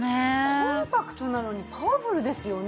コンパクトなのにパワフルですよね。